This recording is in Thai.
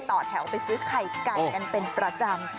ต่อแถวไปซื้อไข่ไก่กันเป็นประจำ